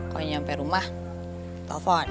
kau nyampe rumah telfon